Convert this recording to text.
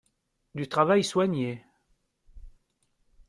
Du travail soigné.